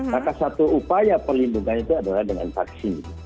maka satu upaya perlindungan itu adalah dengan vaksin